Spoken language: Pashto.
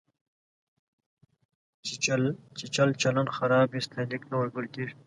چې چلچلن خراب وي، ستاینلیک نه ورکول کېږي.